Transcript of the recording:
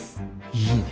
いいね！